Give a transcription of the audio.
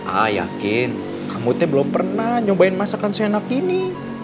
ah yakin kamu tuh belum pernah nyobain masakan seenak ini